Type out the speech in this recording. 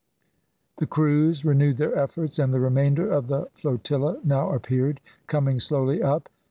The crews renewed their efforts, and the remainder of the flotilla now appeared, coming slowly up.